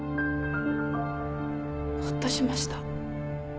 ほっとしました。